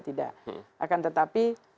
tidak akan tetapi